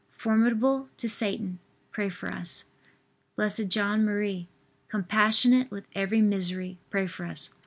formidable to Satan, pray for us. B. J. M., compassionate with every misery, pray for us.